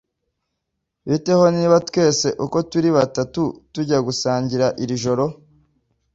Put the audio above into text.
Bite ho niba twese uko turi batatu tujya gusangira iri joro?